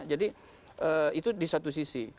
jadi itu di satu sisi